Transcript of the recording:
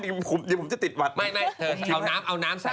ไม่เอาน้ำใช้ตรงนั้นให้ฉันเอาแต่น้ำ